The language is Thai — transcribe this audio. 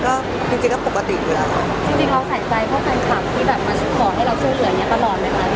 จริงเราสายใจพวกแฟนคลับที่แบบมาขอให้เราช่วยเหมือนงี้ตลอดไหมคะ